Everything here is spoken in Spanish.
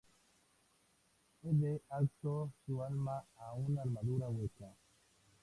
Ed ató su alma a una armadura hueca.